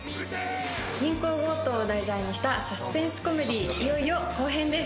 銀行強盗を題材にしたサスペンスコメディー、いよいよ後編です。